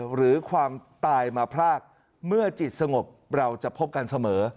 หรือความตายมาพรากเมื่อจิตสงบเราจะพบกันเสมอ